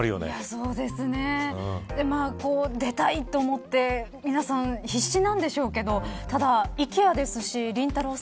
そうですね。出たいと思って皆さん、必死なんでしょうけどただ、ＩＫＥＡですしりんたろー。